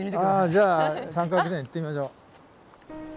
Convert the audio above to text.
じゃあ三角点行ってみましょう。